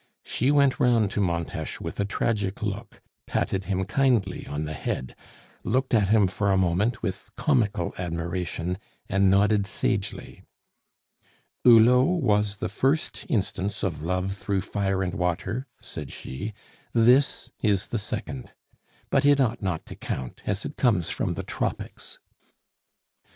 She went round to Montes with a tragic look, patted him kindly on the head, looked at him for a moment with comical admiration, and nodded sagely. "Hulot was the first instance of love through fire and water," said she; "this is the second. But it ought not to count, as it comes from the Tropics."